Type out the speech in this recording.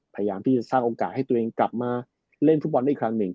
พยายามที่จะสร้างโอกาสให้ตัวเองกลับมาเล่นฟุตบอลได้อีกครั้งหนึ่ง